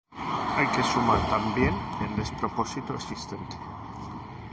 Hay que sumar también el despropósito existente